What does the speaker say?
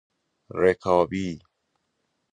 رکابی